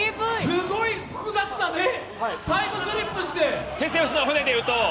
すごい複雑なね、タイムスリップして。